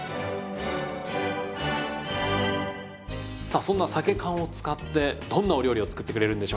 さあそんなさけ缶を使ってどんなお料理を作ってくれるんでしょうか。